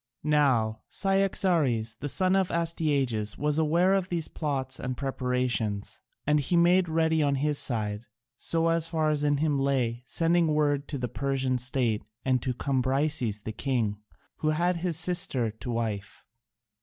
Now Cyaxares, the son of Astyages, was aware of these plots and preparations, and he made ready on his side, so far as in him lay, sending word to the Persian state and to Cambyses the king, who had his sister to wife.